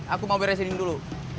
aku mau beresin dulu